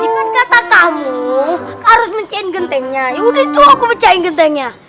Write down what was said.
gitu kan kata kamu harus mencahin gentengnya ya udah itu aku pecahin gentengnya